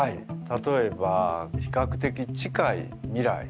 例えば比較的近い未来